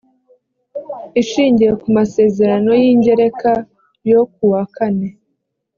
ishingiye ku masezerano y ingereka yo ku wa kane